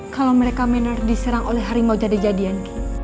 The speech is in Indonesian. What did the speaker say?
kalau mereka mener diserang oleh hari mau jadi jadian